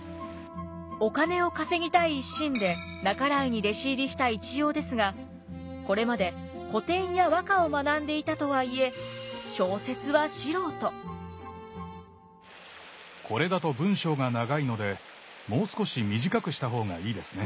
お金を稼ぎたい一心で半井に弟子入りした一葉ですがこれまで古典や和歌を学んでいたとはいえこれだと文章が長いのでもう少し短くした方がいいですね。